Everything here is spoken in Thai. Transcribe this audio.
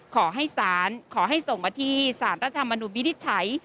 ขอให้ศาลขอให้ส่งมาที่สารรัฐธรรมนุนวินิจฉัย